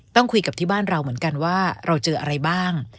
ต้องคุยกับที่บ้านเราเหมือนกันว่าเราเจออะไรบ้าง